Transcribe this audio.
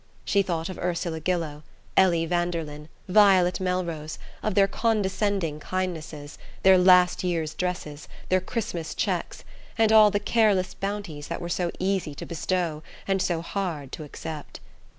She thought of Ursula Gillow, Ellie Vanderlyn, Violet Melrose, of their condescending kindnesses, their last year's dresses, their Christmas cheques, and all the careless bounties that were so easy to bestow and so hard to accept.